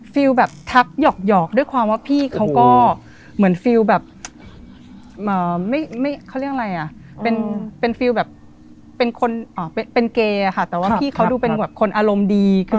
แบบทักหยอกด้วยความว่าพี่เขาก็เหมือนฟิลแบบไม่เขาเรียกอะไรอ่ะเป็นฟิลแบบเป็นคนเป็นเกย์ค่ะแต่ว่าพี่เขาดูเป็นแบบคนอารมณ์ดี